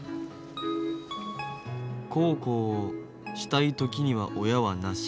孝行をしたい時には親はなし。